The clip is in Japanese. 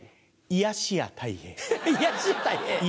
癒やし家たい平。